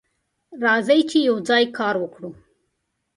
راځه چې یوځای کار وکړو.